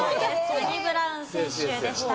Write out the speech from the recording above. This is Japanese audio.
サニブラウン選手でした。